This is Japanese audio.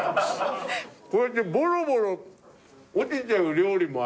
こうやってボロボロ落ちちゃう料理もありますよね。